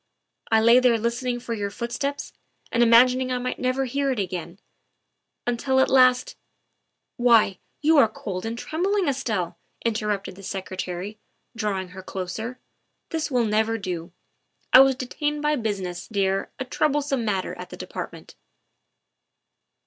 I lay there listening for your footstep and imagining I might never hear it again, until at last " Why, you are cold and trembling, Estelle," inter THE SECRETARY OF STATE 21 rupted the Secretary, drawing her closer; " this will never do. I was detained by business, dear a trouble some matter at the Department."